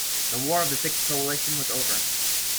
The War of the Sixth Coalition was over.